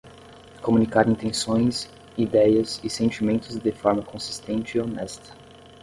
Comunicar intenções, idéias e sentimentos de forma consistente e honesta.